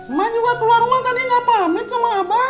emak juga keluar rumah tadi nggak pamit sama apa